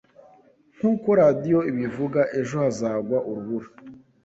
Nk’uko radiyo ibivuga, ejo hazagwa urubura